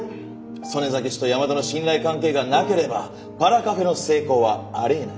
曽根崎氏と山田の信頼関係がなければパラカフェの成功はありえない。